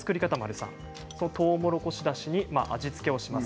とうもろこしだしに味付けをします。